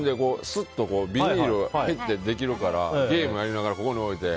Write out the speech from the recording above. すっとビニールから食べられるからゲームやりながら、ここに置いて。